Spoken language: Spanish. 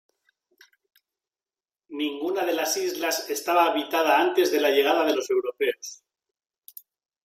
Ninguna de las islas estaba habitada antes de la llegada de los europeos.